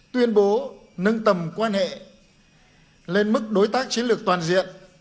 tuyên bố nâng tầm quan hệ lên mức đối tác chiến lược toàn diện